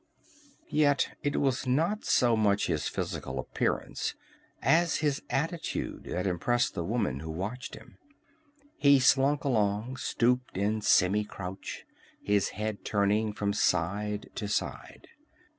Yet it was not so much his physical appearance as his attitude that impressed the woman who watched him. He slunk along, stooped in a semi crouch, his head turning from side to side.